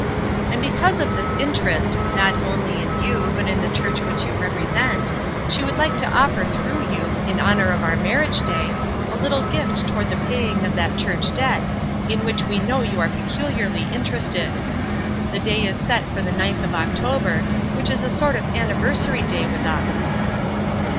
''And because of this interest, not only in you but in the church which you represent, she would like to offer through you, in honor of our marriage day, a httle gift toward the paying of that church debt, in which we know you are peculiarly interested. The day is set for the ninth of October, which is a sort of anniversary day with us."